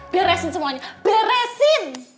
beresin semuanya beresin